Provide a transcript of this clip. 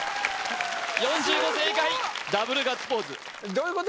４５正解ダブルガッツポーズどういうこと？